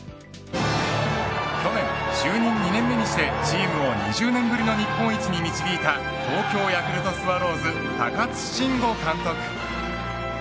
去年、就任２年目にしてチームを２０年ぶりの日本一に導いた東京ヤクルトスワローズ高津臣吾監督。